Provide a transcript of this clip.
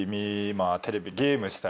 テレビゲームしたりとか。